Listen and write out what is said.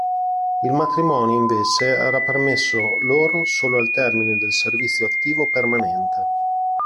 Il matrimonio, invece, era permesso loro solo al termine del servizio attivo permanente.